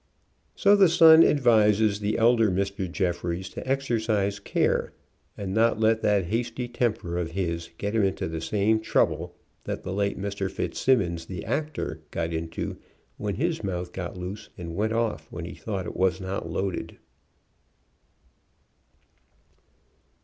So The Sun advises the elder Mr. Jeffries to exercise care, and not let that hasty tem 72 HAIR CUT CURL? per of his get him into the same trouble that the late Mr. Fitzsimmons, the actor, got into when his mouth got loose and went off when he thought it was not loaded.